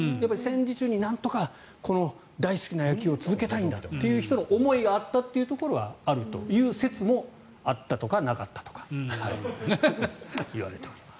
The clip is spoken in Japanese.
戦時中になんとか大好きな野球を続けたい人の思いがあったところはあるという説もあったとかなかったとかいわれております。